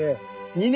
２年！